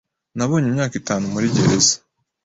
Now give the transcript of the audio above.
Nabonye imyaka itanu muri gereza.